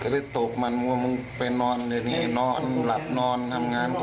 ก็เลยตกมันว่ามึงไปนอนในนี่นอนหลับนอนทำงาน